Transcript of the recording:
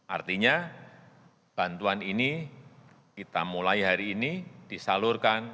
artinya bantuan ini kita mulai hari ini disalurkan